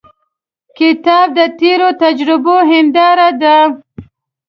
کتاب د تیرو تجربو هنداره ده.